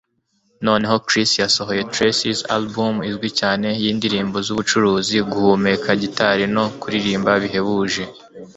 Noneho Chris yasohoye Traces, alubumu izwi cyane yindirimbo zubucuruzi, guhumeka gitari no kuririmba bihebuje.